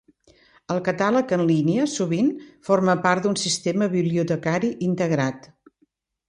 El catàleg en línia sovint forma part d'un sistema bibliotecari integrat.